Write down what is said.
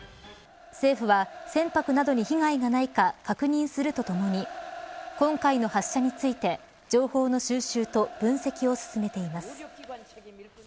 政府は船舶などに被害がないか確認するとともに今回の発射について情報の収集と分析を進めています。